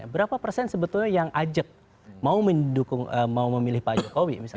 berapa persen sebetulnya yang ajak mau memilih pak jokowi misalnya